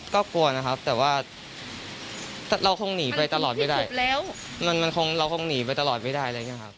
ก็กลัวนะครับแต่ว่าเราคงหนีไปตลอดไม่ได้เราคงหนีไปตลอดไม่ได้เลยนะครับ